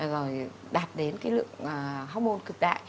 rồi đạt đến cái lượng hormôn cực đại